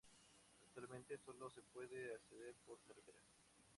Actualmente sólo se puede acceder por carretera.